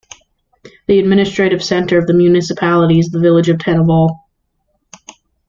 The administrative centre of the municipality is the village of Tennevoll.